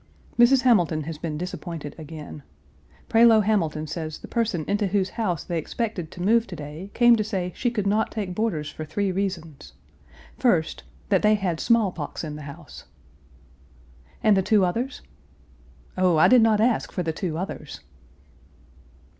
Mrs. Hamilton has been disappointed again. Prioleau Hamilton says the person into whose house they expected to move to day came to say she could not take boarders for three reasons: First, "that they had smallpox in the house." "And the two others?" "Oh, I did not ask for the two others!"